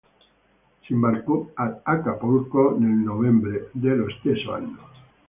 Si imbarcò ad Acapulco nel novembre dello stesso anno.